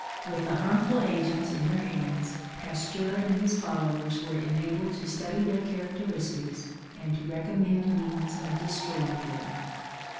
With the harmful agents in their hands, Pasteur and his followers were enabled to study their characteristics and to recommend means of destroying them.